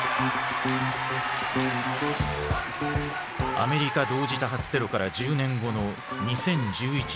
アメリカ同時多発テロから１０年後の２０１１年。